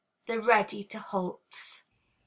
The Ready to Halts.